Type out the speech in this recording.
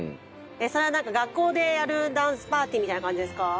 それはなんか学校でやるダンスパーティーみたいな感じですか？